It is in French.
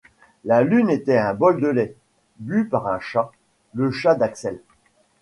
La lune était un bol de lait, bu par un chat, le chat d'Axelle.